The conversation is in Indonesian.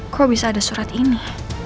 kok bisa ada surat ini